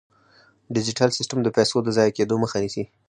ډیجیټل سیستم د پيسو د ضایع کیدو مخه نیسي.